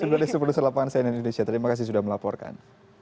sabila destu produser lapangan saya di indonesia terima kasih sudah melaporkan